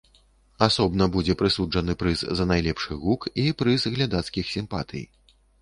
Асобна будзе прысуджаны прыз за найлепшы гук і прыз глядацкіх сімпатый.